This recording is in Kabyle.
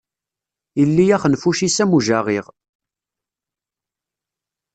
Illi axenfuc-is am ujaɣiɣ.